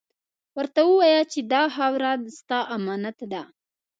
ورته ووایه چې دا خاوره ، ستا امانت ده.